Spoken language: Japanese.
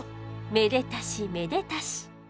めでたしめでたし。